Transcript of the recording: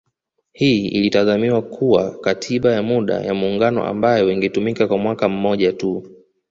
Hii ilitazamiwa kuwa katiba ya muda ya muungano ambayo ingetumika kwa mwaka mmoja tu